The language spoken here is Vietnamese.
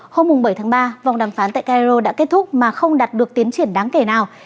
hôm bảy tháng ba vòng đàm phán tại cairo đã kết thúc mà không đạt được tiến triển đáng kể nào